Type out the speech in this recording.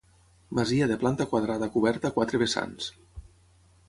Masia de planta quadrada coberta a quatre vessants.